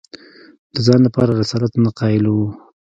د ځان لپاره رسالت نه قایل وو